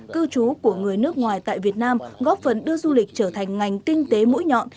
cư trú của người nước ngoài tại việt nam góp phần đưa du lịch trở thành ngành kinh tế mũi nhọn